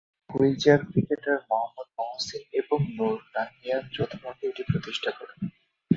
Wheelchair cricketer Mohammad Mohsin এবং নূর নাহিয়ান যৌথভাবে এটি প্রতিষ্ঠা করেন।